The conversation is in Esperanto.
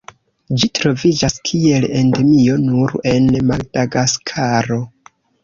Ĝi troviĝas kiel endemio nur en Madagaskaro.